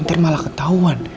ntar malah ketauan